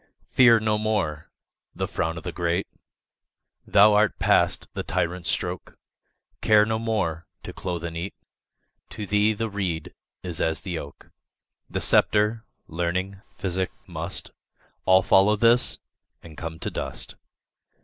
Fear no more the frown o' the great, Thou art past the tyrant's stroke; Care no more to clothe, and eat; To thee the reed is as the oak: The sceptre, learning, physic, must All follow this and come to dust.